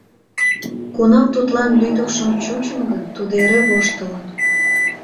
Кунам тудлан лӱдыкшын чучын гын, тудо эре воштылын.